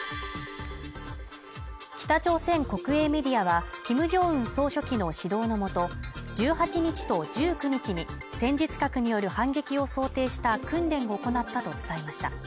北朝鮮国営メディアは、キム・ジョンウン総書記の指導のもと、１８日と１９日に戦術核による反撃を想定した訓練を行ったと伝えました。